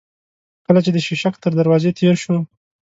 کله چې د شېشک تر دروازه تېر شوو.